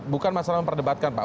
bukan masalah memperdebatkan pak